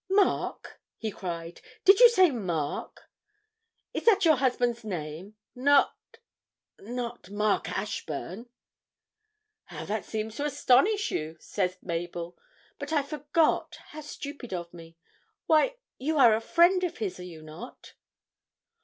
'Mark!' he cried. 'Did you say Mark? Is that your husband's name? Not not Mark Ashburn?' 'How that seems to astonish you,' said Mabel. 'But I forgot; how stupid of me! Why, you are a friend of his, are you not?'